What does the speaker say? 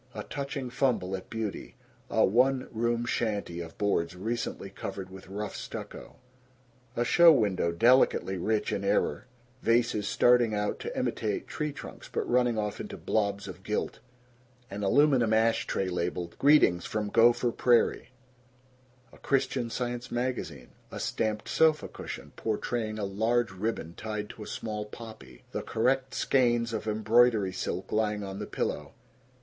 A touching fumble at beauty. A one room shanty of boards recently covered with rough stucco. A show window delicately rich in error: vases starting out to imitate tree trunks but running off into blobs of gilt an aluminum ash tray labeled "Greetings from Gopher Prairie" a Christian Science magazine a stamped sofa cushion portraying a large ribbon tied to a small poppy, the correct skeins of embroidery silk lying on the pillow.